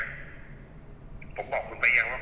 คุณพ่อได้จดหมายมาที่บ้าน